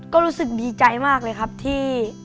ก็รู้สึกดีใจมากเลยครับที่